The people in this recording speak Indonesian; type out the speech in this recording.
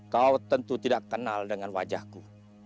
kau tentu tidak kenal dengan wajahku